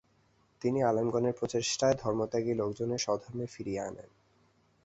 তিনি আলেমগণের প্রচেষ্টায় ধর্মত্যাগী লোকদের স্বধর্মে ফিরিয়ে আনেন।